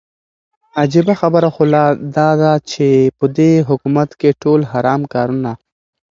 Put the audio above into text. عجيبه خبره خو لا داده چې په دې حكومت كې ټول حرام كارونه